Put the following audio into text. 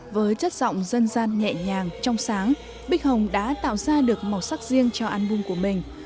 với chất giọng dân gian nhẹ nhàng trong sáng bích hồng đã tạo ra được màu sắc riêng cho album của mình